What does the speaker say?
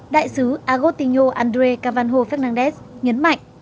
đại sứ agotinho andré cavanho fernandes nhấn mạnh